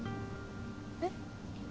えっ？